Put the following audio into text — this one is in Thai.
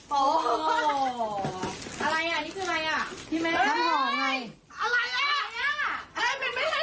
พี่แม่อะไรนี่